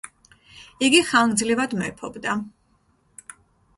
იგი ხანგრძლივად მეფობდა.